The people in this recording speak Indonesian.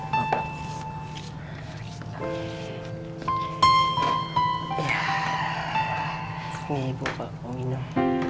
ini ibu kok mau minum